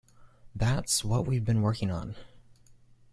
That's what we've been working on.